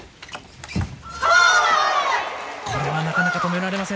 これはなかなか止められません。